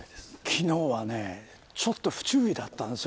昨日はちょっと不注意だったんです。